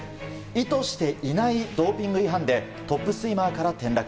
意図していないドーピング違反でトップスイマーから転落。